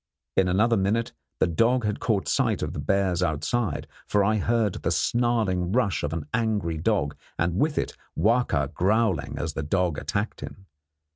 In another minute the dog had caught sight of the bears outside, for I heard the snarling rush of an angry dog, and with it Wahka growling as the dog attacked him.